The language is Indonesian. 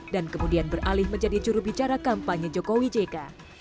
dan kemudian beralih menjadi juru bicara kampanye jokowi jk